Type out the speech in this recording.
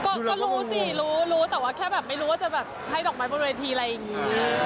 ก็รู้สิรู้รู้แต่ว่าแค่แบบไม่รู้ว่าจะแบบให้ดอกไม้บนเวทีอะไรอย่างนี้